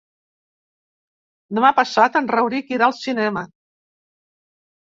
Demà passat en Rauric irà al cinema.